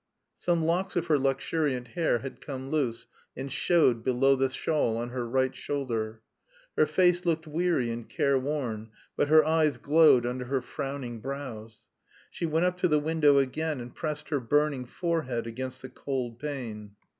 Some locks of her luxuriant hair had come loose and showed below the shawl on her right shoulder. Her face looked weary and careworn, but her eyes glowed under her frowning brows. She went up to the window again and pressed her burning forehead against the cold pane.